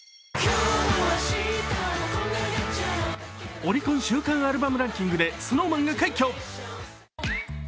オリコン週間アルバムランキングでＳｎｏｗＭａｎが快挙。